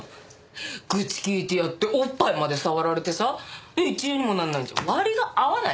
愚痴聞いてやっておっぱいまで触られてさ一円にもならないんじゃ割が合わない！